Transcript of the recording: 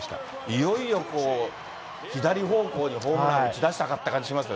いよいよ左方向にホームランを打ち出したかって感じしますよ